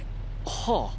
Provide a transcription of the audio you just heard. はあ。